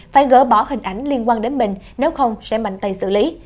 phải gỡ bỏ hình ảnh liên quan đến mình nếu không sẽ mạnh tay xử lý